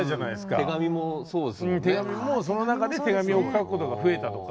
手紙もその中で手紙を書くことが増えたとか。